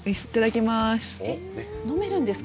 飲めるんですか？